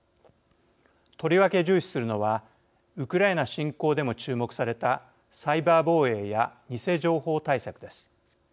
とりわけ重視するのはウクライナ侵攻でも注目されたサイバー防衛や偽情報対策です。